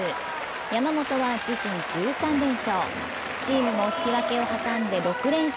山本は自身１３連勝。